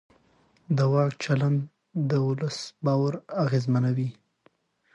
د واک چلند د ولس باور اغېزمنوي